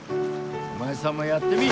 お前さんもやってみ！